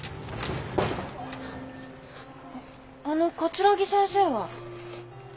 あの桂木先生は？